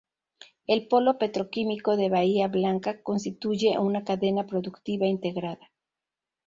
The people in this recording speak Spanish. El Polo Petroquímico de Bahía Blanca, constituye una cadena productiva integrada.